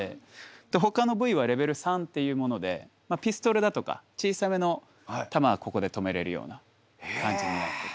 でほかの部位はレベル３っていうものでピストルだとか小さめの弾はここで止めれるような感じになってて。